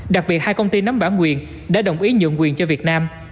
đặc biệt hai công ty nắm bản quyền đã đồng ý nhượng quyền cho việt nam